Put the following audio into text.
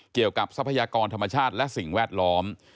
เกี่ยวกับทรัพยากรธรรมชาติและสิ่งแวดล้อม